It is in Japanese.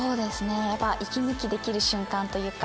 やっぱ息抜きできる瞬間というか。